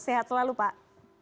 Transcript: sehat selalu pak